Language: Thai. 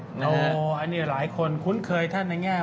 อันนี้หลายคนคุ้นเคยท่านในแง่